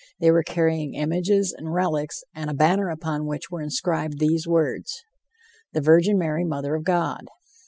They were carrying images and relics, and a banner upon which were inscribed these words: "The Virgin Mary, Mother of God."